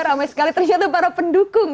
ramai sekali ternyata para pendukung